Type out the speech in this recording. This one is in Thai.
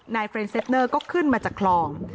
เฟรนเซฟเนอร์ก็ขึ้นมาจากคลอง